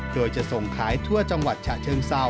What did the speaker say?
โดยจะส่งขายทั่วจังหวัดฉะเชิงเซา